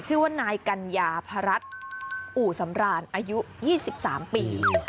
ชื่อว่านายกัญญาพระรัชอู่สำราญอายุ๒๓ปี